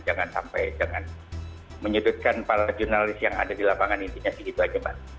jangan sampai menjudutkan para jurnalist yang ada di lapangan intinya sih gitu aja bang